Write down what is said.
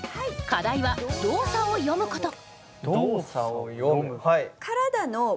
課題は「動作を詠むこと」